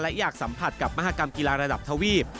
และอยากสัมผัสกับมหากรรมกีฬาระดับทวีป